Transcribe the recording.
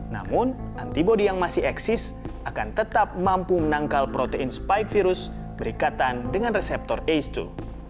namun antibody yang masih eksis akan tetap mampu menangkal protein spike virus berikatan dengan reseptor ace dua